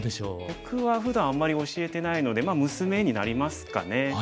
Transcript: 僕はふだんあんまり教えてないので娘になりますかね。